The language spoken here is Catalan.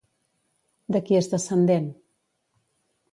De qui és descendent?